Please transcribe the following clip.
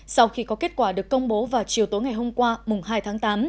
sau khi có kết quả được công bố vào chiều tối ngày hôm qua mùng hai tháng tám